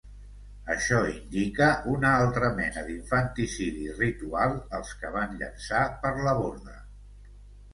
Això indica una altra mena d'infanticidi ritual als que van llençar per la borda.